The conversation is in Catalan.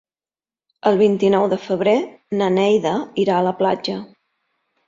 El vint-i-nou de febrer na Neida irà a la platja.